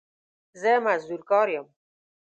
زه مزدور کار يم